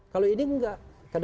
kalau ini enggak